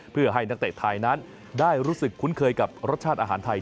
เพื่อให้นักเตะไทยนั้นได้รู้สึกคุ้นเคยกับรสชาติอาหารไทย